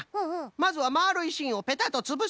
まずはまるいしんをペタッとつぶす。